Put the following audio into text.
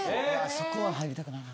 そこは入りたくない。